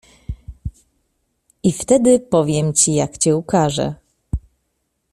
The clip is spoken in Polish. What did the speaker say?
"I wtedy powiem ci, jak cię ukarzę."